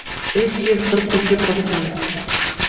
Өс йөҙ ҡырҡ ике процент